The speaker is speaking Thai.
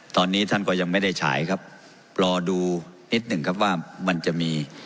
ตอนนี้ท่านก็ยังไม่ได้ฉายครับรอดูนิดหนึ่งครับว่ามันจะมี